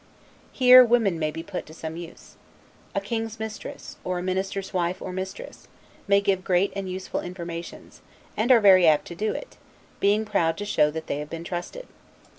Here women may be put to some use. A king's mistress, or a minister's wife or mistress, may give great and useful informations; and are very apt to do it, being proud to show that they have been trusted.